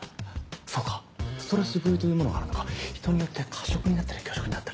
そうかストレス食いというものがあるのか人によって過食になったり拒食になったりする